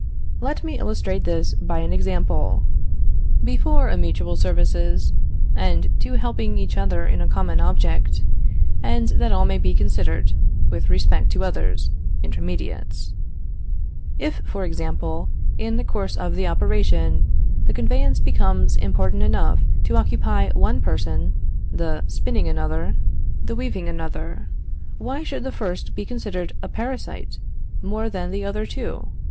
Let me illustrate this by an example. Before a mutual services, and to helping each other in a common object, and that all may be considered, with respect to others, intermediates. If, for instance, in the course of the operation, the conveyance becomes important enough to occupy one person, the spinning another, the weaving another, why should the first be considered a parasite more than the other two?